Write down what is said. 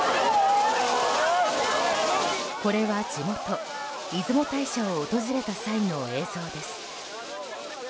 これは、地元・出雲大社を訪れた際の映像です。